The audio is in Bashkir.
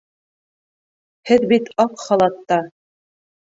Һеҙ бит аҡ халатта.